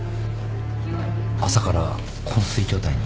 朝から昏睡状態に。